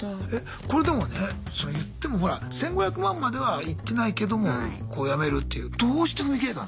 これでもね言ってもほら１５００万まではいってないけども辞めるっていうどうして踏み切れたんすか？